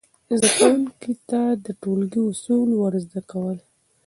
زده کوونکو ته د ټولګي اصول ور زده کول،